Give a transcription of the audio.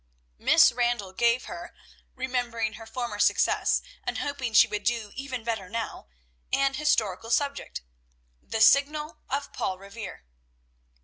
Miss Randall gave her, remembering her former success, and hoping she would do even better now, an historical subject, "The Signal of Paul Revere."